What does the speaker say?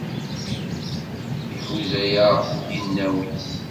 Iḥuza-yaɣ yinaw-is.